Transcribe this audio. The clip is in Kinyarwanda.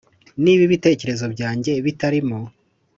niba ibitekerezo byanjye bitarimo